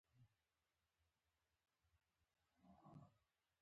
په دوکان کې مې د لوښو او د کور نور لوازم پلورل.